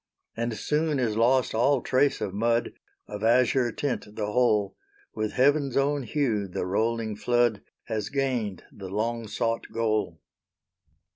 And soon is lost all trace of mud; Of azure tint the whole; With heaven's own hue the rolling flood Has gained the long sought goal.